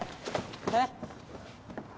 えっ？